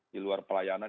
di luar pelayanan